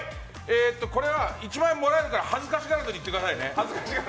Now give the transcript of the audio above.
これは、１万円もらえるから恥ずかしがらずに言ってくださいね。